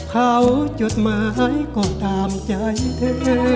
เขาจดหมายของตามใจเธอ